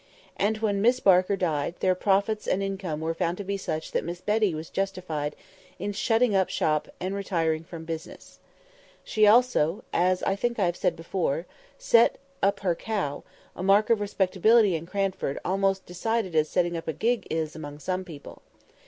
And when Miss Barker died, their profits and income were found to be such that Miss Betty was justified in shutting up shop and retiring from business. She also (as I think I have before said) set up her cow; a mark of respectability in Cranford almost as decided as setting up a gig is among some people.